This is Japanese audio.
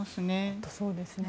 本当にそうですね。